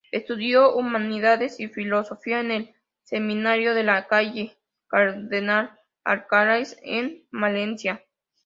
Estudió Humanidades y Filosofía en el Seminario de la calle Cardenal Alcaraz, en Palencia.